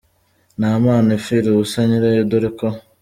Nta mpano ipfira ubusa nyirayo dore ko.